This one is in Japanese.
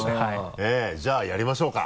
えぇじゃあやりましょうか！